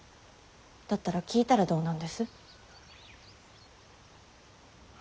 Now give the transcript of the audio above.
だったら聞いたらどうなんです。